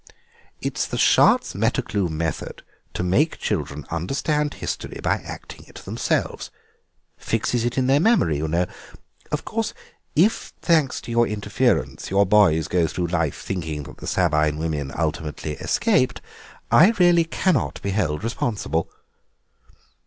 It's the Schartz Metterklume method to make children understand history by acting it themselves; fixes it in their memory, you know. Of course, if, thanks to your interference, your boys go through life thinking that the Sabine women ultimately escaped, I really cannot be held responsible."